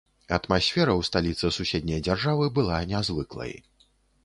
Атмасфера ў сталіцы суседняй дзяржавы была нязвыклай.